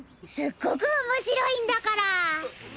すっごく面白いんだから！